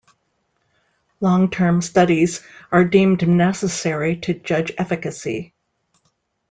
Long-term studies are deemed necessary to judge efficacy.